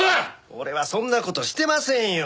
俺はそんな事してませんよ！